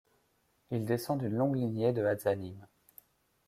Il descend d'une longue lignée de hazzanim.